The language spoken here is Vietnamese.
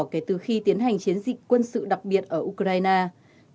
kể từ khi tiến hành chiến dịch quân sự đặc biệt ở ukraine